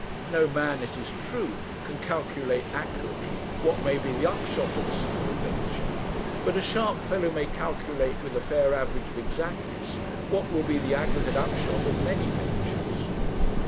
No man, it is true, can calculate accurately what may be the upshot of a single venture; but a sharp fellow may calculate with a fair average of exactness what will be the aggregate upshot of many ventures.